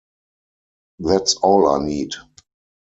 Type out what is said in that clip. That's all I need.